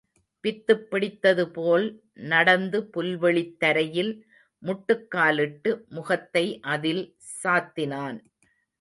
பித்துப் பிடித்ததுபோல் நடந்து புல்வெளித் தரையில் முட்டுக்காலிட்டு, முகத்தை அதில் சாத்தினான்.